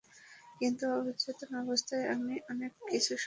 কিন্তু, অচেতন অবস্থায়ও আমি অনেক কিছু শুনতে পেতাম!